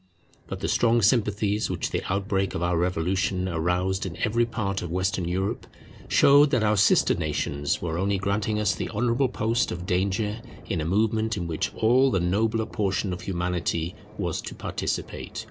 But the strong sympathies which the outbreak of our revolution aroused in every part of Western Europe, showed that our sister nations were only granting us the honourable post of danger in a movement in which all the nobler portion of Humanity was to participate.